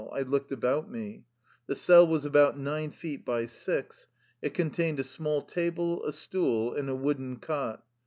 I looked about me. The cell was about nine feet by six. It contained a small table, a stool, and a wooden cot.